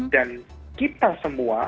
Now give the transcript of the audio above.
dan kita semua